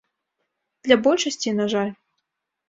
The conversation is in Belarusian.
Для большасці, на жаль.